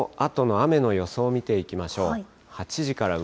このあとの雨の予想見ていきましょう。